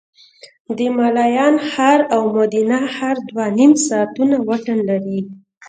د میلان ښار او مودینا ښار دوه نیم ساعتونه واټن لري